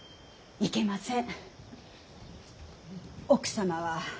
いけません。